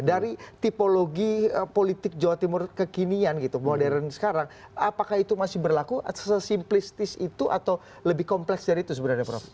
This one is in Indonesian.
dari tipologi politik jawa timur kekinian gitu modern sekarang apakah itu masih berlaku sesimplistis itu atau lebih kompleks dari itu sebenarnya prof